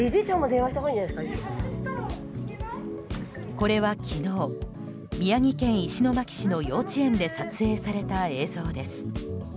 これは昨日宮城県石巻市の幼稚園で撮影された映像です。